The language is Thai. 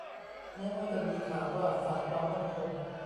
แม้ว่าจะมีข่าวว่าฝ่ายความมั่นคง